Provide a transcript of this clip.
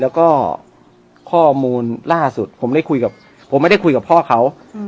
แล้วก็ข้อมูลล่าสุดผมได้คุยกับผมไม่ได้คุยกับพ่อเขา